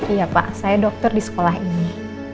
iya pak saya dokter di sekolah ini